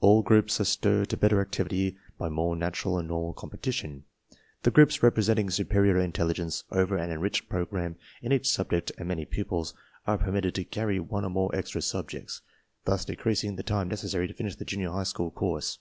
All groups are stirred to better activity i by more natural and normal competition. The groups i representing superior intelligence cover an enriched l program in each subject and many pupils are permitted to carry one or more extra subjects, thus decreasing the time necessary to finish the junior high school course.